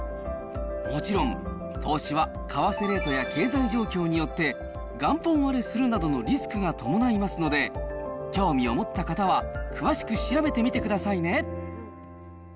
もちろん投資は為替レートや経済状況によって、元本割れするなどのリスクが伴いますので、興味を持った方は詳しく調べてみてくださいね。